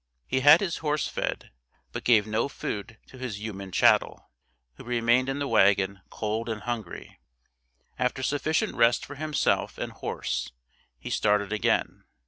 He had his horse fed, but gave no food to his human chattel, who remained in the wagon cold and hungry. After sufficient rest for himself and horse he started again.